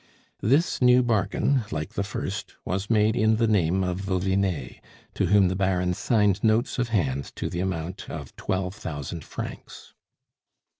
This new bargain, like the first, was made in the name of Vauvinet, to whom the Baron signed notes of hand to the amount of twelve thousand francs.